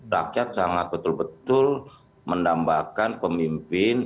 rakyat sangat betul betul mendambakan pemimpin